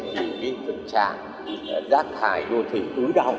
thì cái tình trạng chất thải đô thị ứ động